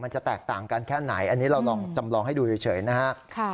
จะแตกต่างกันแค่ไหนอันนี้เราลองจำลองให้ดูเฉยนะฮะ